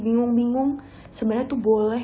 bingung bingung sebenarnya tuh boleh